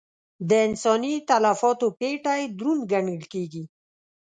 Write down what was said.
د انساني تلفاتو پېټی دروند ګڼل کېږي.